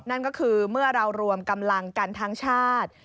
นั่นก็คือเมื่อเรารวมกำลังกันทั้งชาติ